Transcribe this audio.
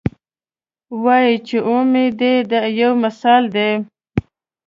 وایي چې اومې دي دا یو مثال دی.